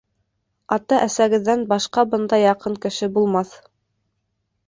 Ата-әсәгеҙҙән башҡа бындай яҡын кеше булмаҫ.